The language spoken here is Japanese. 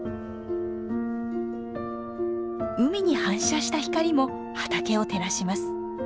海に反射した光も畑を照らします。